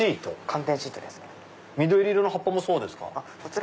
緑色の葉っぱもそうですか？